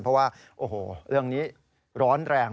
เพราะว่าโอ้โหเรื่องนี้ร้อนแรง